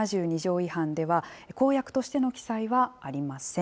違反では公約としての記載はありません。